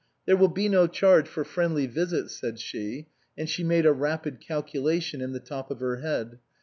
" There will be no charge for friendly visits," said she ; and she made a rapid calculation in the top of her head.